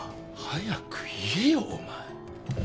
早く言えよお前。